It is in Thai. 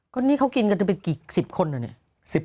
ก็นี่เขากินกันเป็นกี่๑๐คนอ่ะเนี่ย